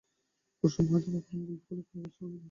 কুসুম হয়তো ভাবে, আঙুল ফুলে কলাগাছ হলে এমনই করে মানুষ!